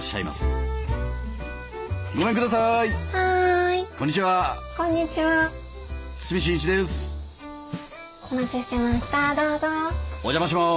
お邪魔します。